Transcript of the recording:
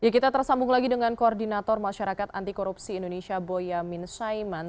kita tersambung lagi dengan koordinator masyarakat anti korupsi indonesia boyamin saiman